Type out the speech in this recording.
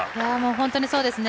本当にそうですね。